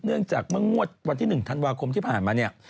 เนื่องจากเมื่องวดวันที่๑ธันวาคมที่ผ่านมาเนี่ย